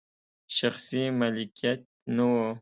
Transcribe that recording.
شخصي مالکیت نه و.